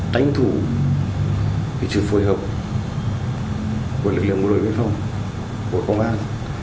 đánh thủ cái sự phối hợp của lực lượng quân đội vệ phòng của công an